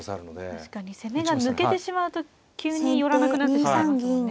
確かに攻めが抜けてしまうと急に寄らなくなってしまいますもんね。